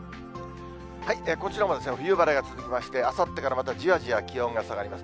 こちらも冬晴れが続きまして、あさってからまたじわじわ気温が下がります。